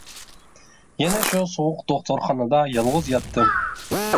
يەنە شۇ سوغۇق دوختۇرخانىدا يالغۇز ياتتىم.